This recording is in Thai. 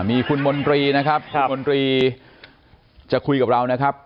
มีคุณมนตรีนะครับคุณมนตรีจะคุยกับเรานะครับ